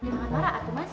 waduh malah nara aku mas